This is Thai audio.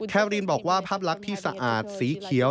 รินบอกว่าภาพลักษณ์ที่สะอาดสีเขียว